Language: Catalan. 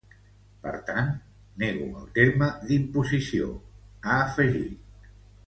Per tant, nego el terme d’imposició, ha afegit.